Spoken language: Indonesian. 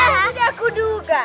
sudah aku duka